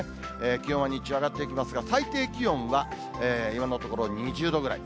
気温は日中、上がっていきますが、最低気温は今のところ２０度ぐらい。